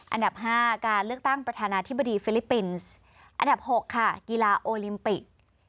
อันดับ๕การเลือกตั้งประธานาธิบดีฟิลิปปินส์อันดับ๖ค่ะกีฬาโอลิมปิก